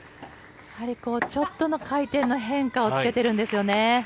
ちょっとの回転の変化をつけているんですよね。